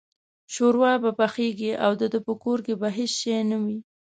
شوروا به پخېږي او دده په کور کې به هېڅ شی نه وي.